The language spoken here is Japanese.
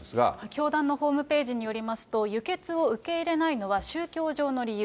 教団のホームページによりますと、輸血を受け入れないのは、宗教上の理由。